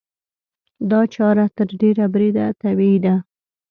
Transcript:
دا چاره تر ډېره بریده طبیعي ده.